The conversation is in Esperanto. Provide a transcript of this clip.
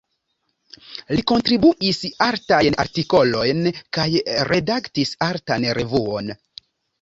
Li kontribuis artajn artikolojn kaj redaktis artan revuon.